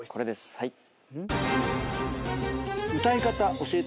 はい。